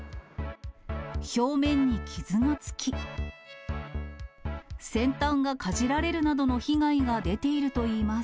表面に傷がつき、先端がかじられるなどの被害が出ているといいます。